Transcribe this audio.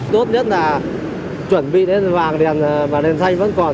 tốt nhất là chuẩn bị đèn vàng và đèn xanh vẫn còn